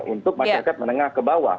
untuk masyarakat menengah ke bawah